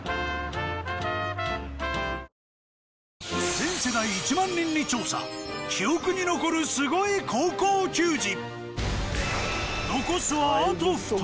全世代１万人に調査記憶に残るスゴい高校球児。